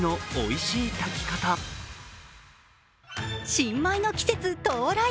新米の季節到来！